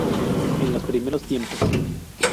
En los primeros tiempos.